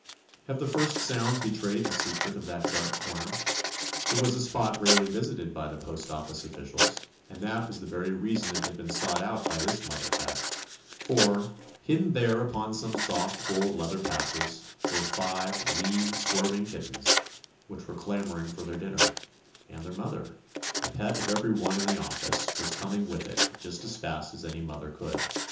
Have the first sounds betrayed the secret of that dark corner? It was a spot rarely visited by the postoffice officials, and that was the very reason it had been sought out by this mother cat; for, hidden there upon some soft old leather pouches, were five wee, squirming kittens which were clamor ing for their dinner, and their mother, the pet of every one in the office, was coming with it just as fast as any mother could.